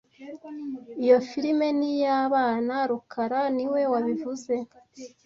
Iyo firime ni iy'abana rukara niwe wabivuze